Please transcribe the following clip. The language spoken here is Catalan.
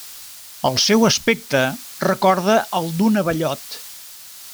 El seu aspecte recorda el d'un abellot.